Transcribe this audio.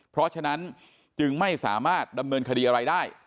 เพราะฉะนั้นจึงไม่สามารถดำเนินคดีอะไรได้